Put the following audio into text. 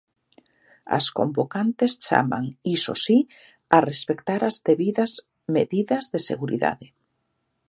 As convocantes chaman, iso si, a respectar as debidas medidas de seguridade.